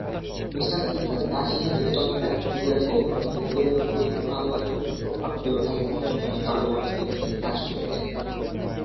মুসার পিতা দাস হিসেবে তৎকালীন সিরিয়ার গভর্নর ও খলিফা প্রথম মারওয়ানের পুত্র আবদুল আজিজ ইবনে মারওয়ানের অধীনে কাজ করতেন।